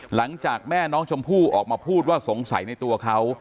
หลังจากแม่น้องชมพู่ออกมาพูดว่าสงสัยในตัวเขา